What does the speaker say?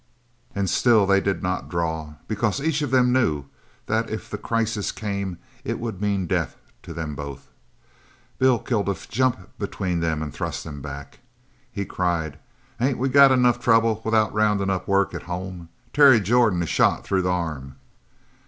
And still they did not draw, because each of them knew that if the crisis came it would mean death to them both. Bill Kilduff jumped between them and thrust them back. He cried, "Ain't we got enough trouble without roundin' up work at home? Terry Jordan is shot through the arm."